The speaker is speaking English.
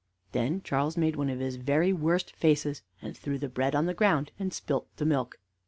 Then Charles made one of his very worst faces, and threw the bread on the ground, and spilt the milk.